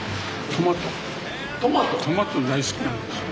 トマト大好きなんですよ。